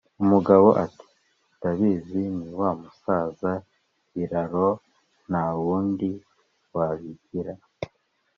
Umugabo Ati: "Ndabizi ni wa musazi Biraro nta wundi wabigira!"